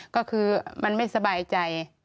ก็คือมันไม่สบายใจ